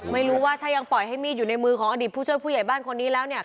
ไม่รู้ว่าถ้ายังปล่อยให้มีดอยู่ในมือของอดีตผู้ช่วยผู้ใหญ่บ้านคนนี้แล้วเนี่ย